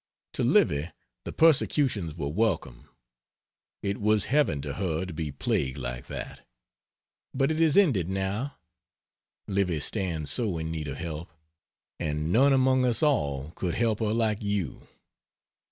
To Livy the persecutions were welcome. It was heaven to her to be plagued like that. But it is ended now. Livy stands so in need of help; and none among us all could help her like you.